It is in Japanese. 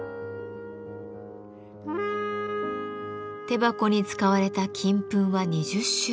手箱に使われた金粉は２０種類。